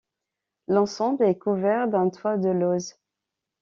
L'ensemble est couvert d'un toit de lauzes.